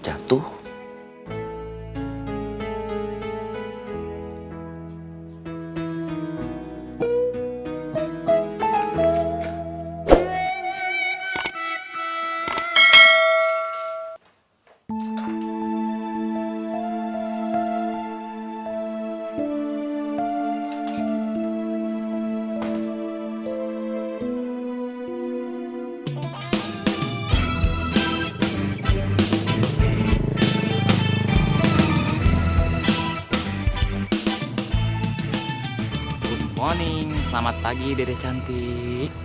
good morning selamat pagi dede cantik